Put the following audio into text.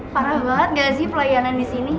parah banget gak sih pelayanan disini